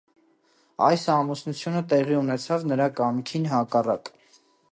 Այս ամուսնությունը տեղի ունեցավ նրա կամքին հակառակ։